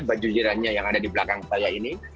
baju jirannya yang ada di belakang saya ini